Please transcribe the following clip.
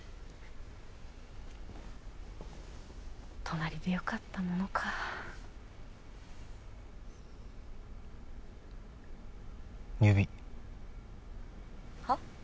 隣でよかったものか指はっ？